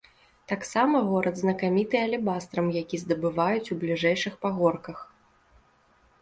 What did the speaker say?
Таксама горад знакаміты алебастрам, які здабываюць у бліжэйшых пагорках.